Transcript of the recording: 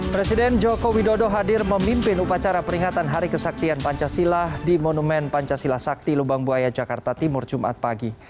presiden joko widodo hadir memimpin upacara peringatan hari kesaktian pancasila di monumen pancasila sakti lubang buaya jakarta timur jumat pagi